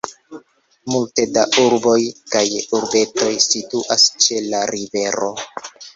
Multe da urboj kaj urbetoj situas ĉe la rivero.